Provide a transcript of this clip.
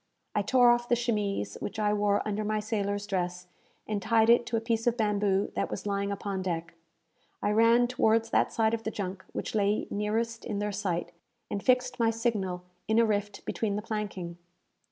I tore off the chemise which I wore under my sailor's dress, and tied it to a piece of bamboo that was lying upon deck. I ran towards that side of the junk which lay nearest in their sight, and fixed my signal in a rift between the planking!